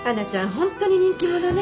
本当に人気者ね。